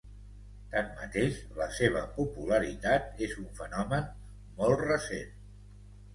Tanmateix, la seva popularitat és un fenomen molt recent.